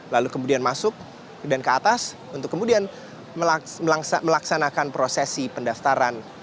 lalu kemudian masuk dan ke atas untuk kemudian melaksanakan prosesi pendaftaran